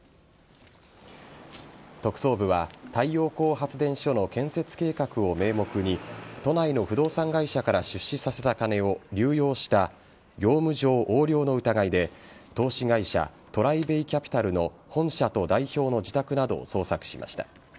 特捜部は太陽光発電所の建設計画を名目に都内の不動産会社から出資させた金を流用した業務上横領の疑いで投資会社ＴＲＩＢＡＹＣＡＰＩＴＡＬの本社と代表の自宅などを捜索しました。